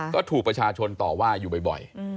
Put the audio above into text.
ก็ถูกประชาชนต่อว่าอยู่บ่อย